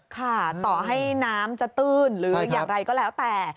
ค่ะต่อให้น้ำจะตื้นหรืออย่างไรก็แล้วแต่